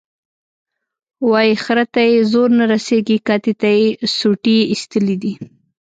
وایي خره ته یې زور نه رسېږي، کتې ته یې سوټي ایستلي دي.